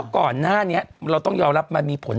โทษทีน้องโทษทีน้อง